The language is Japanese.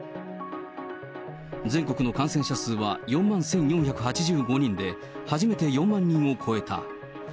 全国の感染者数は４万１４８５人で、初めて４万人を超えた。